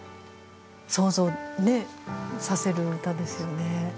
想像させる歌ですよね。